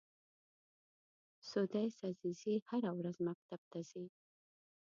سُدیس عزیزي هره ورځ مکتب ته ځي.